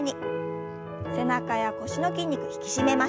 背中や腰の筋肉引き締めましょう。